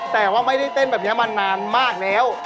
แต่ว่าไม่ได้เต้นแบบนี้มานานมากแล้ว